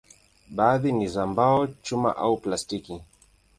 Baadhi ni za mbao, chuma au plastiki.